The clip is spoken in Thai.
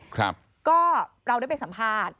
ก็เราได้เป็นสัมภาษณ์